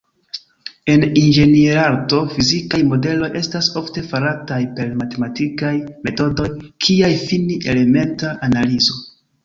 En inĝenierarto, fizikaj modeloj estas ofte farataj per matematikaj metodoj kiaj fini-elementa analizo.